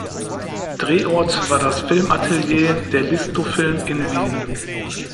Drehort war das Filmatelier der Listo-Film in Wien.